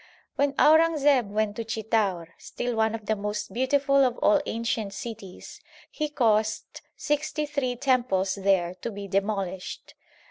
When Aurangzeb went to Chitaur, still one of the most beautiful of all ancient cities, he caused sixty three temples there to be demolished.